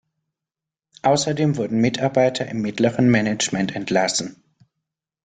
Außerdem wurden Mitarbeiter im mittleren Management entlassen.